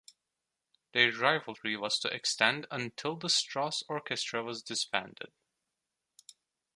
Their rivalry was to extend until the Strauss Orchestra was disbanded.